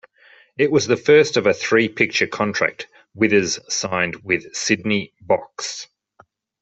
It was the first of a three-picture contract Withers signed with Sydney Box.